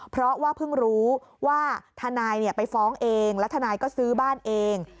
เพราะว่าเพิ่งรู้ว่าทนายไปฟ้องเองแล้วทนายก็ซื้อบ้านเอง